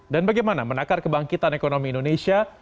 dan bagaimana menakar kebangkitan ekonomi indonesia